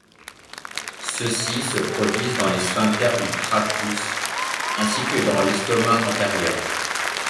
Ceux-ci se produisent dans les sphincters du tractus, ainsi que dans l'estomac antérieur.